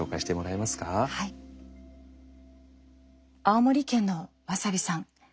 青森県のわさびさん。